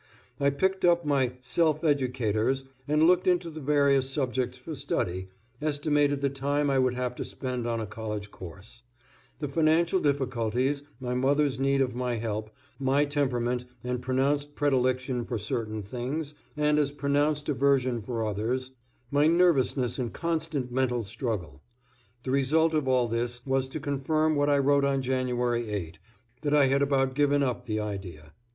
I picked up my Self Educators and looked into the various subjects for study, estimated the time I would have to spend on a college course; the financial difficulties, my mother's need of my help, my temperament and pronounced predilection for certain things and as pronounced aversion for others, my nervousness and constant mental struggle; the result of all this was to confirm what I wrote on January 8, that I had about given up the idea.